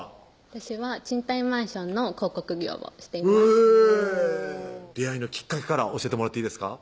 私は賃貸マンションの広告業をしています出会いのきっかけから教えてもらっていいですか？